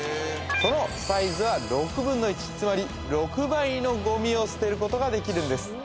そのサイズは６分の１つまり６倍のゴミを捨てることができるんです